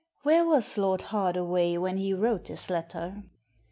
' "Where was Lord Hardaway when he wrote this letter?"